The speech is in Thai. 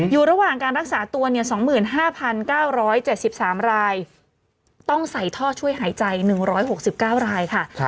อยู่ระหว่างการรักษาตัว๒๕๙๗๓รายต้องใส่ท่อช่วยหายใจ๑๖๙รายค่ะ